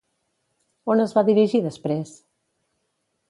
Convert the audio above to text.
On es va dirigir després?